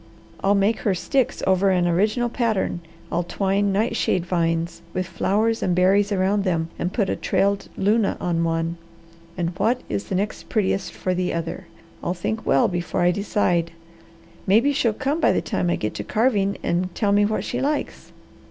I'll make her sticks over an original pattern; I'll twine nightshade vines, with flowers and berries around them, and put a trailed luna on one, and what is the next prettiest for the other? I'll think well before if decide. Maybe she'll come by the time I get to carving and tell me what she likes.